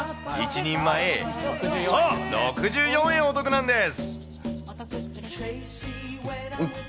１人前、そう、６４円お得なんです。